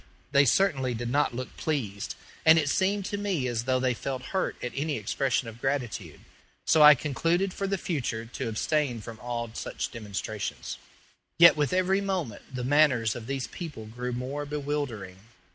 They certainly did not look pleased, and it seemed to me as though they felt hurt at any expression of gratitude, so I concluded for the future to abstain from all such demonstrations. Yet with every moment the manners of these people grew more bewildering.